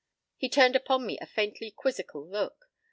p> He turned upon me a faintly quizzical look.